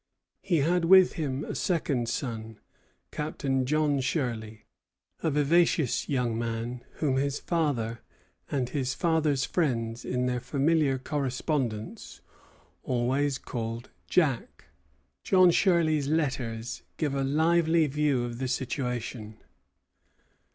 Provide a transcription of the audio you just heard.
He had with him a second son, Captain John Shirley, a vivacious young man, whom his father and his father's friends in their familiar correspondence always called "Jack." John Shirley's letters give a lively view of the situation.